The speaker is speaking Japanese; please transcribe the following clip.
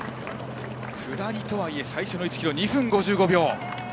下りとはいえ、最初の１ｋｍで２分５５秒。